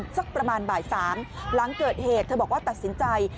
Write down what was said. สักประมาณบ่าย๓หลังเกิดเหตุเธอบอกว่าตัดสินใจ